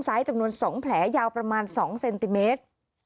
สองเซนติเมตร